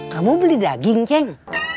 kamu beli daging ceng